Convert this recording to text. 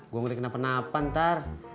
gue ngeliat kenapa napa ntar